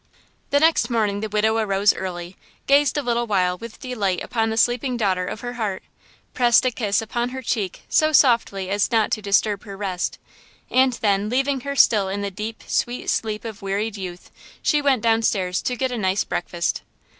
The next morning the widow arose early, gazed a little while with delight upon the sleeping daughter of her heart, pressed a kiss upon her cheek so softly as not to disturb her rest, and then, leaving her still in the deep, sweet sleep of wearied youth, she went down stairs to get a nice breakfast.